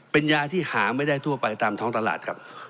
เป็นยาที่หาไม่ได้ทั่วไปตามท้องตลาดครับ